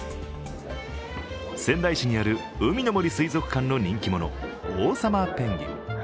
仙台市にある、うみの杜水族館の人気者、オウサマペンギン。